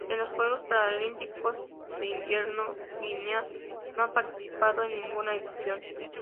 En los Juegos Paralímpicos de Invierno Guinea no ha participado en ninguna edición.